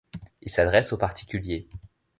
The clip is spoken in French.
Il s'adresse aux particuliers.